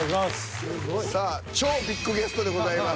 さあ超ビッグゲストでございます。